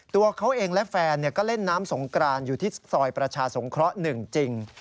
ตัวเขาเองและแฟนก็เล่นน้ำสงกรานอยู่ที่ซอยประชาสงเคราะห์๑จริง